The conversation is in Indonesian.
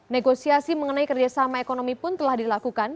negosiasi mengenai kerjasama ekonomi pun telah dilakukan